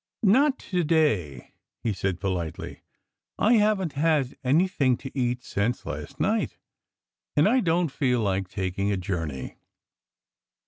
"Not to day!" he said politely. "I haven't had anything to eat since last night. And I don't feel like taking a journey."